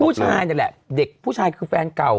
ผู้ชายนี่ฤละผู้ชายคือแฟนเก่า